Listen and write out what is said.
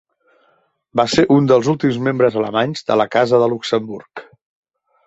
Va ser un dels últims membres alemanys de la Casa de Luxemburg.